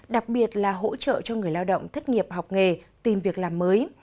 đặc biệt là hỗ trợ cho người lao động thất nghiệp học nghề tìm việc làm mới